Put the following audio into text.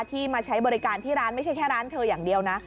มาใช้บริการที่ร้านไม่ใช่แค่ร้านเธออย่างเดียวนะ